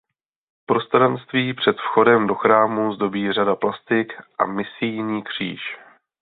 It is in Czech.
Prostranství před vchodem do chrámu zdobí řada plastik a misijní kříž.